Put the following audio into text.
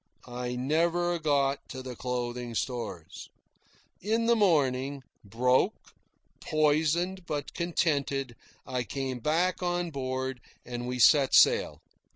I never got to the clothing stores. In the morning, broke, poisoned, but contented, I came back on board, and we set sail.